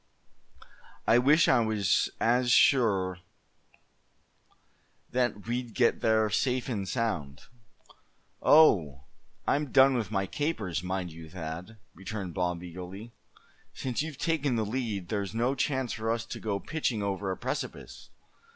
I wish I was as sure that we'd get there, safe and sound." "Oh! I'm done with my capers, mind you, Thad," returned Bob, eagerly. "Since you've taken the lead, there's no chance for us to go pitching over a precipice.